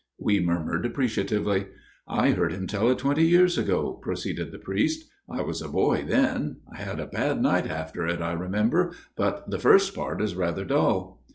We murmured appreciatively. " I heard him tell it twenty years ago," proceeded the priest, " I was a boy then. ... I had a bad night after it, I remember. But the first part is rather dull."